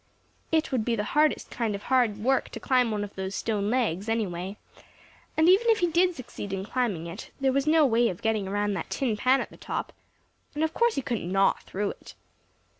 It would be the hardest kind of hard work to climb one of those stone legs, anyway, and even if he did succeed in climbing it, there was no way of getting around that tin pan at the top, and of course he couldn't gnaw through it.